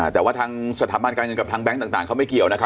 แต่ว่าทางสถาบันการเงินกับทางแก๊งต่างเขาไม่เกี่ยวนะครับ